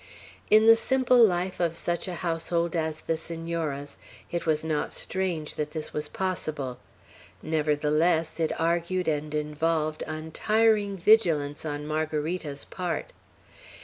In the simple life of such a household as the Senora's, it was not strange that this was possible; nevertheless, it argued and involved untiring vigilance on Margarita's part.